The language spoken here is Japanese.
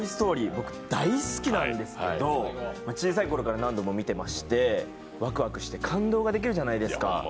僕、大好きなんですけど、小さい頃から何度も見てまして、ワクワクして感動ができるじゃないですか